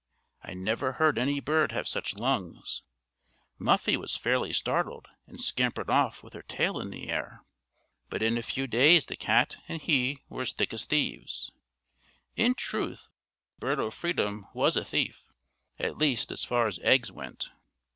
I never heard any bird have such lungs. Muffie was fairly startled, and scampered off with her tail in the air; but in a few days the cat and he were as thick as thieves. In truth, Bird o' freedom was a thief, at least, as far as eggs went.